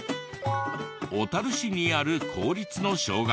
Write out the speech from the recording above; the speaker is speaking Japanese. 小樽市にある公立の小学校。